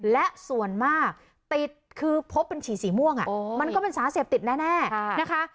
และส่วนมากติดคือพบเป็นฉี่สีม่วงมันก็เป็นสารเสพติดแน่นะคะ